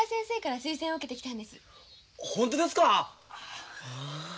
本当ですか！